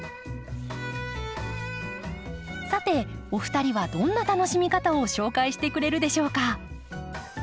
さてお二人はどんな楽しみ方を紹介してくれるでしょうか？